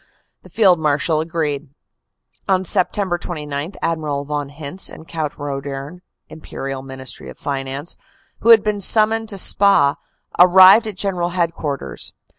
The Field Marshal agreed. "On Sept. 29 Admiral von Hintze and Count Roedern (Imperial Ministry of Finance), who had been summoned to Spa, arrived at General Headquarters.